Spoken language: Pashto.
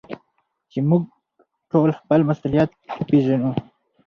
چي موږ ټول خپل مسؤليت وپېژنو.